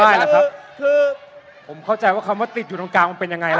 บ๊วยบ๊วยผมเข้าใจว่าคำว่าติดอยู่ตรงกลางมันเป็นยังไงล่ะ